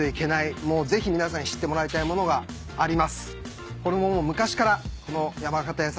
もうぜひ皆さんに知ってもらいたい物があります。